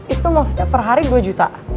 itu maksudnya per hari dua juta